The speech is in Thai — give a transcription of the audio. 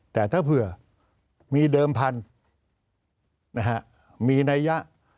แต่ถ้าเผื่อมีเดิมพันธุ์มีนัยยะ